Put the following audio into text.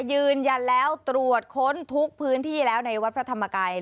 ยืนยันแล้วตรวจค้นทุกพื้นที่แล้วในวัดพระธรรมกาย